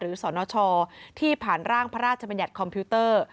สนชที่ผ่านร่างพระราชบัญญัติคอมพิวเตอร์